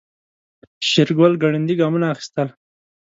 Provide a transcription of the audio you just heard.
شېرګل ګړندي ګامونه اخيستل.